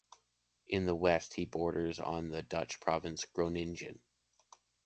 In the west he borders on the Dutch province Groningen.